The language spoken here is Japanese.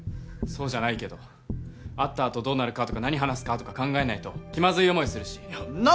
そうじゃないけど会ったあとどうなるかとか何話すかとか考えないと気まずい思いするしんな